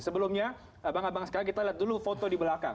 sebelumnya abang abang sekalian kita lihat dulu foto di belakang